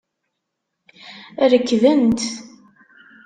Rekdent.